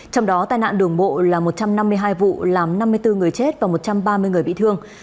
trong đó tai nạn đường bộ là một trăm năm mươi hai vụ làm năm mươi bốn người chết và một trăm ba mươi người bị thương